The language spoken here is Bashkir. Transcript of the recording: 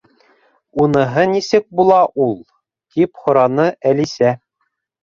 —Уныһы нисек була ул? —тип һораны Әлисә.